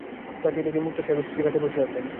তাকিয়ে দেখি মোক্তার সাহেবের স্ত্রী খাটে বসে আছেন।